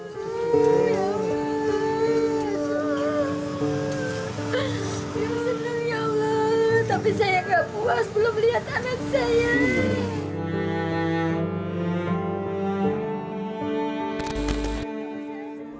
belum senang ya allah tapi saya gak puas belum lihat anak saya